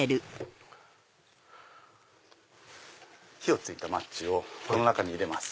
火が付いたマッチをこの中に入れます。